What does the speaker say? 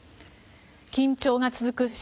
緊張が続く